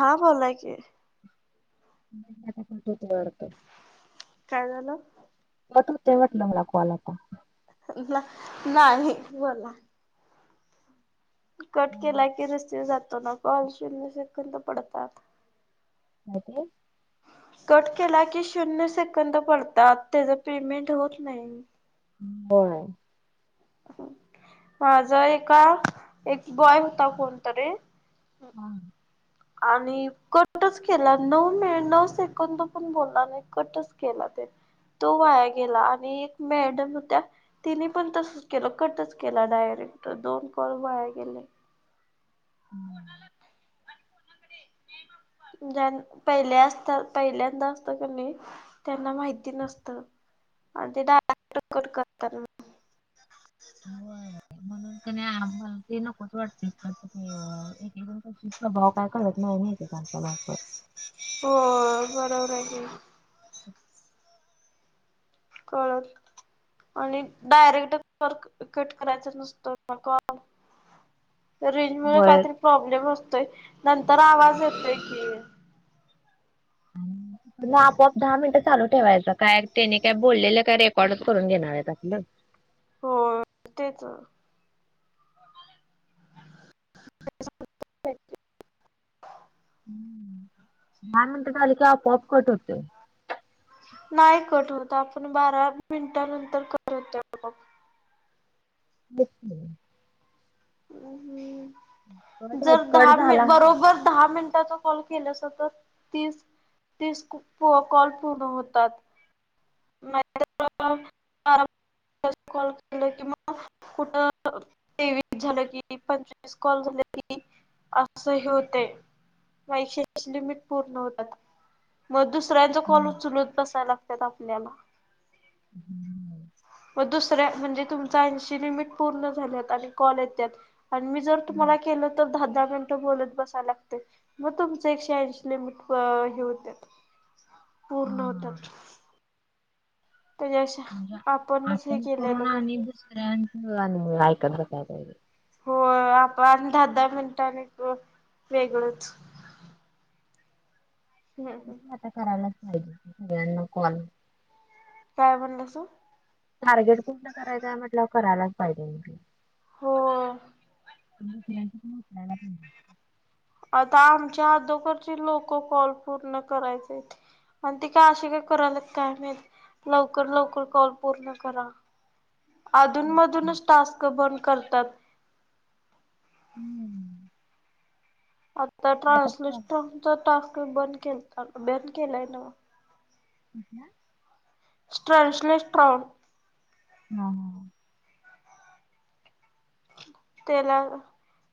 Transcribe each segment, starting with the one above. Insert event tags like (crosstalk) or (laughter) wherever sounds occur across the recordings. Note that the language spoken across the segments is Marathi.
हा बोलाय की. (unintelligible) काय झाल? म तुमच्या वाटल मला कॉल आला. नाही बोला, कट केला की रिसिव्ह जातोना कॉल शून्य सेकंद पडतात. काय ते, कट केला की शून्य सेकंद पडतात त्याच पेमेंट होत नाही. होय माझ एका एक बॉय होता कोणतरी हा. आणि कटच केला नऊ मि नऊ सेकंद पण बोलला नाही कटच केला ते तो वाया गेला आणि एक मॅडम होत्या तिनी पण तसच केल कटच केला डायरेक्ट दोन कॉल वाया गेले. हम् ज्या पहिले असतात पहिल्यांदा असत कणी त्यांना माहिती नसत. आणि ते डायरेक्ट कट करतात मग, होय. म्हणून कानी आम्हाला ते नकोच वाटतय कस ते एक एक जण कशी स्वभाव काय कळत नाही नी एकेकदा. (unintelligible) हो बरोबर आहे की, (inaudible) कळत आणि डायरेक्ट क कट करायच नसतो ना कॉल. रेंज मुळ होय. काहीतरी प्रॉब्लेम असतोय नंतर आवाज येतोय की, आणि म्हणल आपोआप दहा मिनट चालू ठेवायच काय त्याने काय बोललेल काय रेकॉर्डच करून घेणार आहेत आपल, हो तेच, (unintelligible) दहा मिनिट झाले की आपोआप कट होतय. नाही कट होत आपण बारा मिनटा नंतर कट होतय. (unintelligible) अ कट होत जर कट दहा मि झाला बरोबर दहा मिनिटाचा कॉल केल्यास तर तीस तीस कॉल पूर्ण होतात. (inaudible) कुठ तेवीस झाल की पंचवीस कॉल झाल की अस हे होते पैशाची लिमिट पूर्ण होतात म दुस, दुसऱ्यांच कॉल हम्म. ऊचलत बसायला लागतात आपल्याला हम्म, म दुसऱ्या म्हणजे तुमच ऐंशी लमिट पूर्ण झाल्यात आणि कॉल येत्यात. आणि मी जर तुम्हाला केल तर दहा दहा मिनिट बोलत बसाया लागते, मग तुमच एकशे ऐंशी लिमिट हे होत्यात पूर्ण हा. होत्यात. म्हणजे आपणच हे आपण केलेलं कोरोना बर. आणि दुसऱ्याच आणि ऐकत बसायला पाहिजे, हो आपण दहा दहा मिनिटांने वेगळच, हम्म हम्म म्हणून आता करायलाच पाहिजे सगळ्यांना कॉल, काय म्हणला सा, टार्गेट कुठलं करायचंय म्हटलं करायलाच पाहिजे म. हो, (unintelligible) आता आमच्या अदोखरची लोक कॉल पूर्ण करायचे आहेत. आणि ते काय अशे करायल्यात काय माहित, लवकर लवकर कॉल पूर्ण करा, अधून मधून टास्क बंद करतात, हम्म, आता ट्रान्सलेटरचा टाक बंद के बंद केलाय ना, हं, स्ट्रॅन्सलेश स्ट्रॉंग, हम, तेला,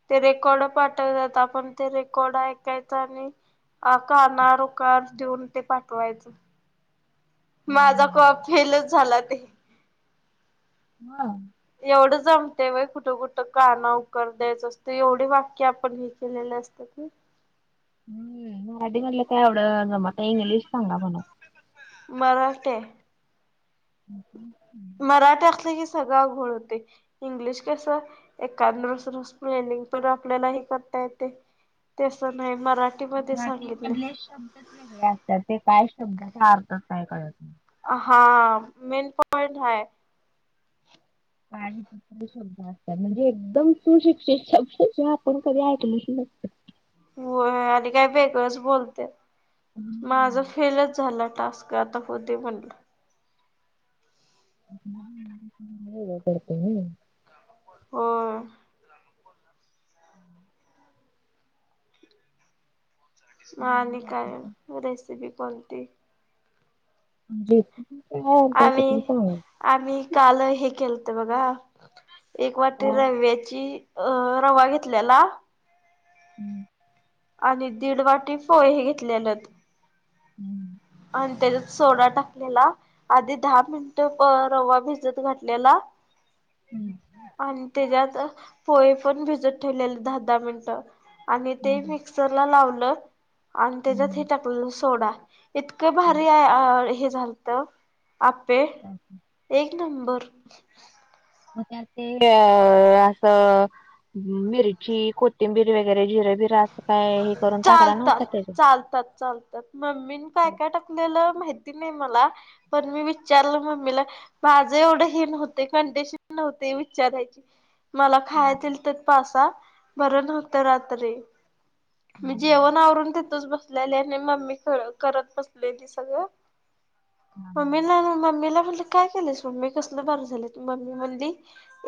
ते रेकॉर्ड पाठवतात आपण ते रेकॉर्ड ऐकायच आणि. अ काना उकार देऊन ते पाठवायचं. माझा कॉप हम्म. फेलच झाला ते! व्हय, एवढं जमते व कुठं कुठं काना उकर द्यायचं असतं एवढे वाक्य आपण हे केलेले असते. (unintelligible) हम्म मराठीमधलं काय आवडं जमना इंग्लिश सांगा म्हणून? मराठी मराठी असले की सगळं घोळ होतोय. इंग्लिश कसे एकदा दुसर स्पेलिंग पण आपल्याला हे करता येतय. तस नाही मराठी, मराठी मधले शब्दच वेगळे असतात ते काय शब्दाचा अर्थच नाही कळत. हा मेन पॉइंट हाय, पाणी पुसून, म्हणजे एकदम सुशिक्षित शब्द ते आपण कधी ऐकल नाही. होय आणि काय वेगळंच बोलत्यात माझ फेलच झाला टास्क. का आता कोण ते म्हनल. ह पडते मी, हो, आणि काय रेसिपी कोणती? जे, आम्ही आम्ही काल हे केलत बघा एक वाटी का? रव्याची अ रवा घेतल्याला हम्म आणि दीड वाटी पोहे घेतलेलेत हम्म आणि त्याच्यात सोडा टाकलेला आधी दहा मिनिटं रवा भिजत घातलेला हम्म, आणि त्याच्यात पोहे पण भिजत ठेवलेले दहा दहा मिनटं आणि ते हम्म, मिक्सरला लावलं आणि त्याच्यात हे हम्म, टाकलं सोडा इतक भारी हम्म. हे झालत आप्पे काय? एक नंबर म्हणजे ते अ असं मिरची कोथिंबीर वगैरे जिरे बिरा असं काय हे करून टाकला नव्हता त्यात चालतात मम्मीने काय काय टाकलेलं माहिती नाही मला पण मी विचारलं मम्मीला माझं एवढं हे नव्हते कंडिशन नव्हते विचारायची मला हा खायला दिलतं पाच सहा परत होत रात्री. मी हा जेवण आवरून तिथंच बसलेले आणि मम्मी कर-करत बसलेली सगळं हा मम्मीला आणि मम्मीला म्हणलं काय केलंस मम्मी कसलं भारी झालेत मम्मी म्हणली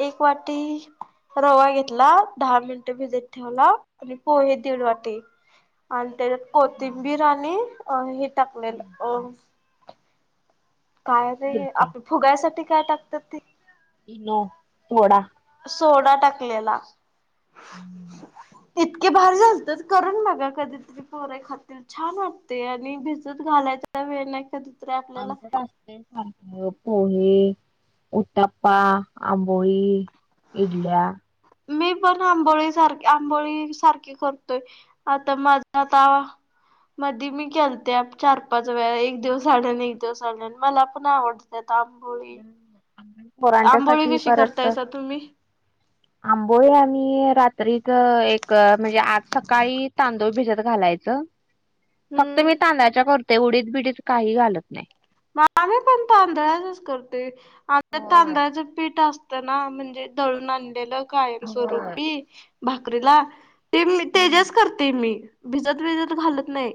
एक वाटी रवा घेतला, दहा मिनिट भिजत ठेवला आणि पोहे दीड वाटी आणि तेज्यात हा कोथिंबीर आणि हे टाकलेलं अ मिरच्या काय रे मिरच्या, आपलं फुगायसाठी काय टाकत्यात ती इनो, सोडा सोडा टाकलेला (inaudible) इतके भारी झालते करून बघा कधी त पोरय खात्यात छान वाटतंय आणि भिजत घालायचा वेळ नाही कधी आमच्यात असतयं सारखं पोहे उत्तप्पा, आंबोळी, इडल्या मी पण आंबोळी सारख्या, आंबोळी सारखी करतोय आता माझं आता मधी मी केलत्या चार-पाच वेळा एक दिवस आड आणि एक दिवस आडनं मला पण आवडत्यात आं आंबोळी आंबोळी पोरांच्यासाठी कशी परत करतायसा तुम्ही आंबोळे आणी रात्रीच एक म्हणजे आज सकाळी तांदूळ भिजत घालायचं. फक्त मी हम्म तांदळाच्या करतोय उडीद बिडीत काही घालत नाही. मग आम्ही पण तांदळानच करतोय आमच्या होय तांदळाच पीठ अस असतना म्हणजे दळून आणलेलं कायम होय स्वरूपी, भाकरीला ते तेज्याच करतोय मी, भिजत विजत घालत नाही,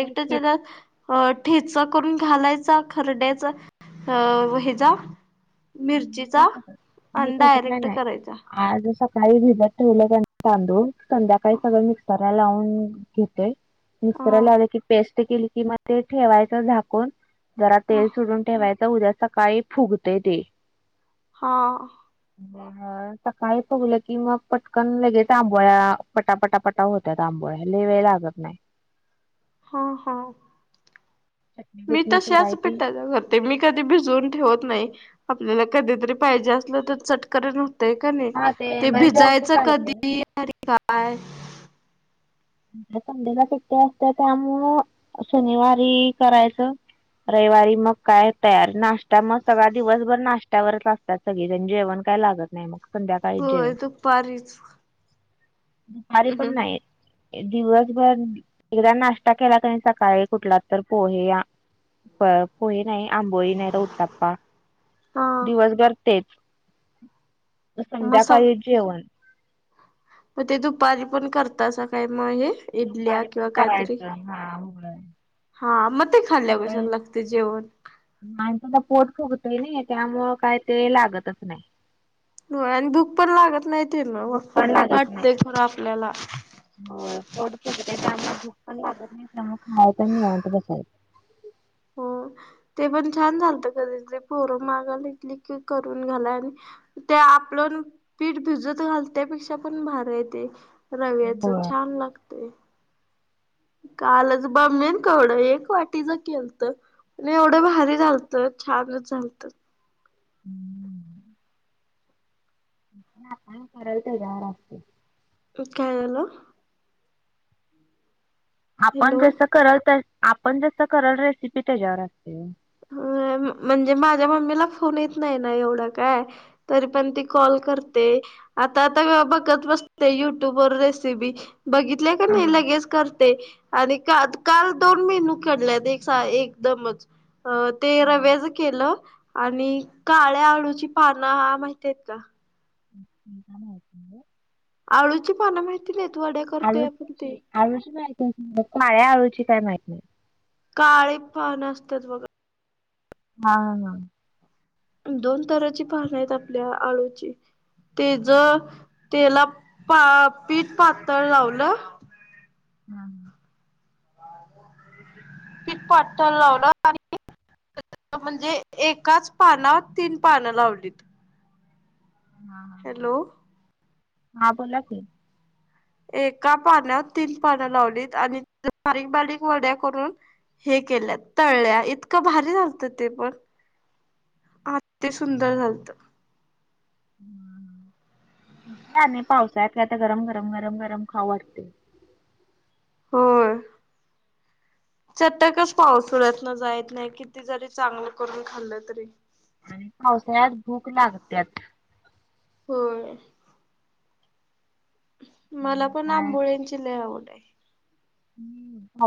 तेच की तेज्यात ठेचा करून घालायचा खरड्याचा, अ हेचा मिरचीचा, आणि डायरेक्ट करायचा. आ जसा काही भिजत ठेवलं कणी तांदूळ संध्याकाळी सगळं मिक्सरला लावून घेतोय. मिक्सरला हा लावलं की, पेस्ट केली कि, मग ते ठेवायचं झाकून. जरा, हा तेल सुडून ठेवायच, उद्या सकाळी फुगत्य ते. हा, सकाळी, फुगलं की मग पटकन लगेच, आंबोळ्या, पटापटापटा होत. त्यात, आंबोळ्या लय वेळ लागत नाही. हा, हा, चटणी मी, बिटणी तशाच करायची पिटाच्या करत. ते, मी कधी भिजवून ठेवत नाही, आपल्याला कधीतरी, पाहिजे असलं तर चटकरण. ते कणी, हा ते इमर्जन्सी भिजायचं चालते ना. कधी, आणि काय? संडेला, सुट्टी असत्या त्यामुळं, शनिवारी करायचं. रविवारी मग काय तयार, नाश्ता मग सगळा दिवसभर, नाश्त्यावरच असतो. त्यात, सगळीजण जेवण काय लागत नाही मग. संध्याकाळी जेवण होय, दुपारीच. पारी पण नाही. दिवसभर, एकदा नाश्ता केला कणी, सकाळी कुठला तर, पोहे या प पोहे नाही, आंबोळी नाही, तर उताप्पा हा दिवसभर तेच. तर, मग सांग संध्याकाळीच जेवण. मग ते, दुपारी पण करता अस, काय मग हे इडल्या दुपारी पण किंवा काहीतरी. करायचं हा, होय, हा, मग ते खाल्या कशाला, लागते जेवण. माणसाच, पोट फुगतय नी त्यामुळे, काय ते लागतच नाही. होय, आणि भुक पण लागत नाही, ती न भूक पण लागत नाही. वाटतय खरं आपल्याला. होय, पोट फुगतय, त्यामुळे भूक पण लागत नाही. त्यामुळे खायच निवांत बसायच. हो, ते पण छान झालत, कधीतरी पोरं मागालेकी इ क करून घाला आणि. ते, आपलं पीठ भिजत घालतंय, त्यापेक्षा पण भारी ये ते. रव्याच, छान लागतय. कालच, बमणे कवडं एक वाटीच केलत. आणि, एवढं भारी झालतं, छानच झालतं. ना, आपन कराल त्याच्यावर असत्य, काय झाल. आपण हॅलो जसं करल तसं, आपण जसं करल रेसिपी, त्याच्यावर असतं. ह, म्हणजे माझ्या मम्मीला, फोन येत नाही ना, एवढं काय. तरी पण ती, कॉल करते. आता तर, बघत बसते युट्यूब वर, रेसिपी बघित. ल हा कणी, हा लगेच करते. आणि, का काल दोन मेनू केल्यात, एक एकदमच ते, हा रव्याच केलं, आणि काळ्या आळूची पान, माहिती आहेत का? (unintelligible) आळूची पानं माहिती नाहीेत, वड्या करतोय आपण ते. आळूची आळूची माहिती, काळ्या आळूची काय माहिती नाही. काळे पान, असतात बघा. हा ना, दोन, तराची पानं आहेत, आपल्या आळूची. तेज, तेला पा पीठ पातळ लावलं. हम्म पिठ पातळ लावलं आणि, म्हणजे एकाच पानात तीन पानं लावलीत. हा हा हॅलो! हा बोला की. एका पानात तीन पानं लावलीत आणि बारीक बारीक वड्या करून, हे केल्या तळल्या इतकं भारी झालत ते पण. अति सुंदर झालत. हम्म काय नाही पावसाळ्यात काहीतरी गरम गरम गरम गरम खाऊ वाटतंय. होय चटकच पाऊसळ्यातन जायत नाही किती जरी चांगलं करून खाल्लं तरी. आणि पावसाळ्यात भूक लागत्यात. होय मला त्यामुळे पण काय आंबोळ्यांंची लय आवड ये. हम्म आव